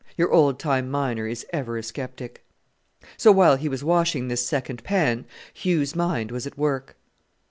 Your old time miner is ever a sceptic. So while he was washing this second pan Hugh's mind was at work.